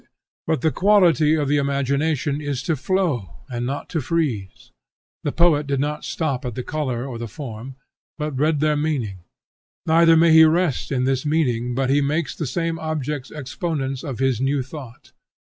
But the quality of the imagination is to flow, and not to freeze. The poet did not stop at the color or the form, but read their meaning; neither may he rest in this meaning, but he makes the same objects exponents of his new thought.